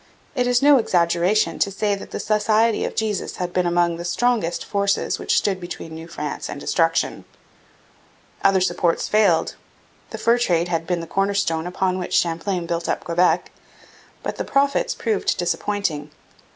It is no exaggeration to say that the Society of Jesus had been among the strongest forces which stood between New France and destruction. Other supports failed. The fur trade had been the corner stone upon which Champlain built up Quebec, but the profits proved disappointing.